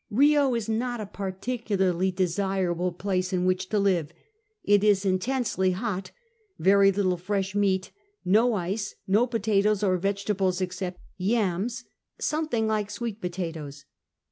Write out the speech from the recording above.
Rio is not a particularly desirable place in which to live; it is intensely hot; very little fresh meat, no ice, no potatoes or vegetables except yams, something like sweet potatoes.